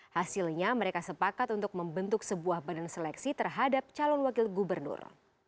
hasilnya mereka sepakat untuk membentuk sebuah badan seleksi terhadap calon wakil gubernur